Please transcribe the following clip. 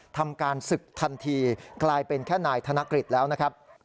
ทำการศึกทันทีกลายเป็นแค่นายธนกฤษแล้วนะครับ